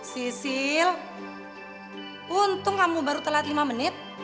sisil untung kamu baru telat lima menit